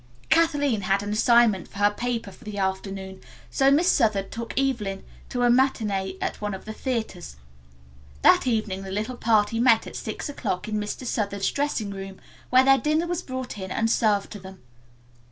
Kathleen had an assignment for her paper for the afternoon, so Miss Southard took Evelyn to a matinee at one of the theaters. That evening the little party met at six o'clock in Mr. Southard's dressing room, where their dinner was brought in and served to them.